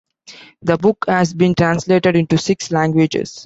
The book has been translated into six languages.